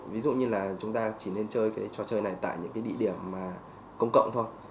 ví dụ như là chúng ta chỉ nên chơi cái trò chơi này tại những cái địa điểm mà công cộng thôi